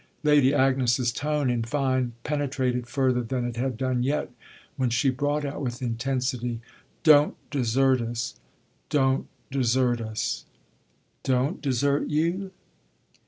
Lady Agnes's tone in fine penetrated further than it had done yet when she brought out with intensity: "Don't desert us don't desert us." "Don't desert you